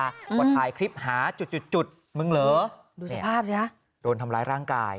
กดทายคลิปหามึงเหรอดูสภาพสิฮะโดนทำร้ายร่างกาย